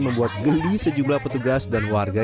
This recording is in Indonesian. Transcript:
membuat geli sejumlah petugas dan warga